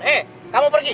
eh kamu pergi